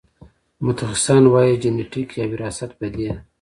متخصصان وايي جنېتیک یا وراثت په دې